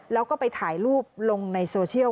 แล้วก็ไปถ่ายรูปลงในโซเชียล